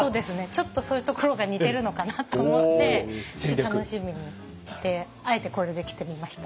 ちょっとそういうところが似てるのかなと思って楽しみにしてあえてこれで来てみました。